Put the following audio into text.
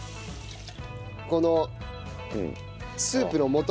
このスープの素。